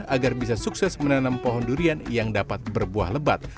agar bisa sukses menanam pohon durian yang dapat berbuah lebat